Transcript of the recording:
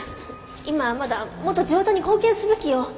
今はまだもっと地元に貢献すべきよ。